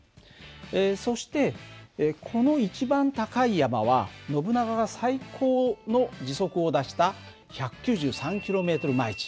そしてこの一番高い山はノブナガが最高の時速を出した１９３ｋｍ／ｈ